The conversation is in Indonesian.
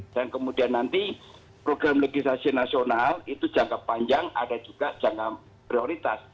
dan kemudian nanti program legislasi nasional itu jangka panjang ada juga jangka prioritas